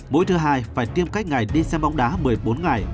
mũi thứ hai phải tiêm cách ngày đi xem bóng đá một mươi bốn ngày